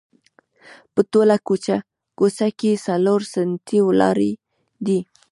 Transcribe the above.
په ټوله کوڅه کې څلور ستنې ولاړې دي.